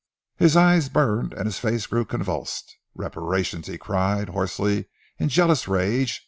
His eyes burned and his face grew convulsed. "Reparation!" he cried hoarsely in jealous rage.